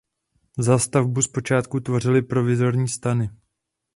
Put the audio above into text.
Zástavbu zpočátku tvořily provizorní stany.